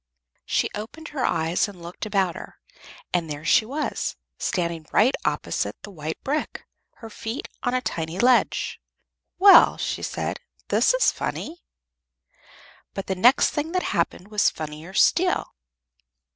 She opened her eyes and looked about her, and there she was, standing right opposite the white brick, her feet on a tiny ledge. "Well," she said, "this is funny." But the next thing that happened was funnier still.